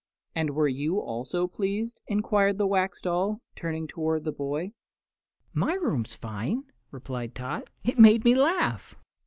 "And were you also pleased?" inquired the Wax Doll, turning toward the boy. "My room's fine," replied Tot; "it made me laugh!"